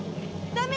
ダメ！